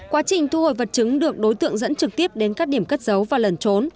quá trình thu hồi vật chứng được đối tượng dẫn trực tiếp đến các điểm cất giấu và lẩn trốn